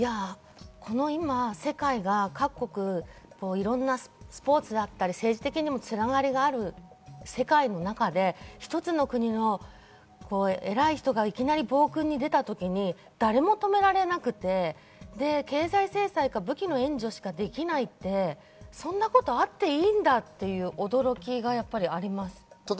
今、世界各国、いろんなスポーツだったり政治的にも繋がりがある世界の中で一つの国の偉い人がいきなり暴君に出た時に誰も止められなくて、経済制裁か武器の援助しかできないって、そんなことあっていいんだ？っていう驚きがあります。